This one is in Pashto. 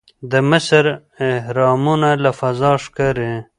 د مصر اهرامونه له فضا ښکاري.